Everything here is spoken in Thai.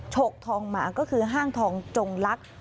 ฉกทองหมาก็คือห้างทองจงลักษณ์